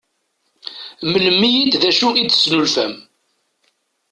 Mlem-iyi-d d acu i d-tesnulfam.